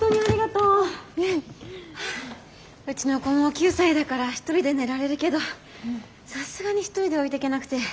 うちの子もう９歳だから一人で寝られるけどさすがに一人で置いてけなくて。